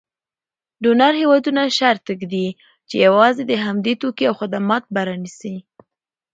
ډونر هېوادونه شرط ږدي چې یوازې د همدوی توکي او خدمات به رانیسي.